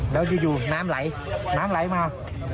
แล้วอยู่น้ำไหลน้ำไหลมา